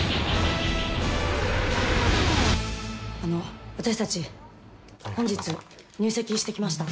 あの私たち本日入籍してきました。